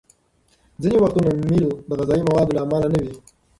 ځینې وختونه میل د غذايي موادو له امله نه وي.